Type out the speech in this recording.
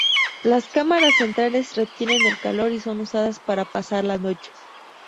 Las cámaras centrales retienen el calor y son usadas para pasar la noche.